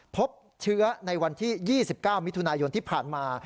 พบเชื้อในวันที่๒๙มิถุนายนที่ผ่านมา